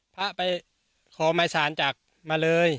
พระไปขอไมศาลจักรมาเลย